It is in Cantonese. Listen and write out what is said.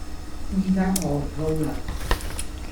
依家我唔撈喇